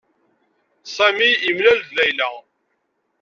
Sami yemlal-d Layla.